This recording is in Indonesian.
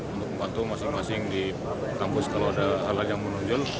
untuk membantu masing masing di kampus kalau ada hal hal yang menonjol